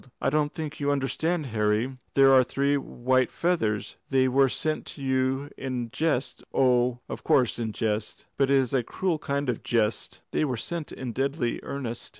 "I don't think you understand, Harry. Here are three white feathers. They were sent to you in jest? Oh, of course in jest. But it is a cruel kind of jest " "They were sent in deadly earnest."